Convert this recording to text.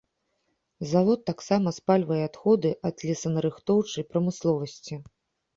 Завод таксама спальвае адходы ад лесанарыхтоўчай прамысловасці.